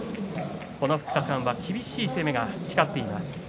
この２日間は厳しい攻めが光っています。